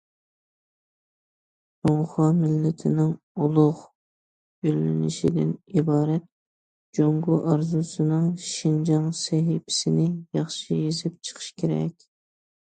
جۇڭخۇا مىللىتىنىڭ ئۇلۇغ گۈللىنىشىدىن ئىبارەت جۇڭگو ئارزۇسىنىڭ شىنجاڭ سەھىپىسىنى ياخشى يېزىپ چىقىش كېرەك.